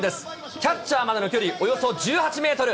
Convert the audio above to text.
キャッチャーまでの距離およそ１８メートル。